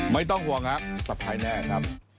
ไม่ต้องห่วงครับสะพายแน่ครับ